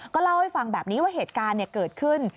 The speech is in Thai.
เล่าให้ฟังแบบนี้ว่าเหตุการณ์เกิดขึ้น